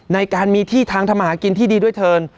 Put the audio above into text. ในการมีที่ทางทำมาหากินที่ดีด้วยเถิน